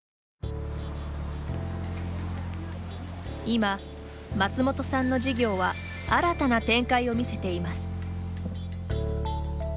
今、松本さんの事業は新たな展開を見せています。